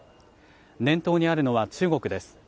念頭にあるのは中国です。